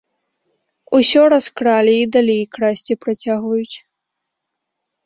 Усё раскралі, і далей красці працягваюць.